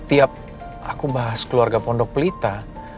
tiap aku bahas keluarga pondok pelita